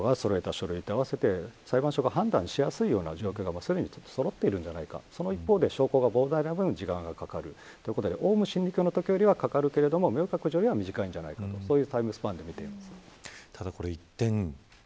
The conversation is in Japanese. それと合わせて裁判所が判断しやすい状況がすでに、そろっているんじゃないか、その一方で証拠が膨大な分時間がかかるということでオウム真理教よりは、かかるけど明覚寺よりは短いんじゃないかというタイムスパンで見ています。